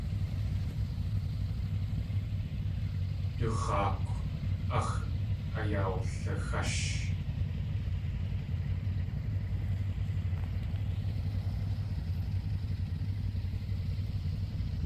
Du x̲aakw áx̲ ayawlixásh.